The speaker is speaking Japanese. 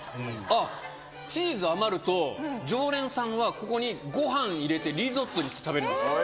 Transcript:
あっチーズ余ると常連さんはここにご飯入れてリゾットにして食べるんですって。